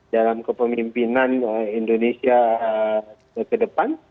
dalam kepemimpinan indonesia ke depan